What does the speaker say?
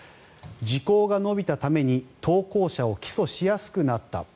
時効が延びたために投稿者を起訴しやすくなった。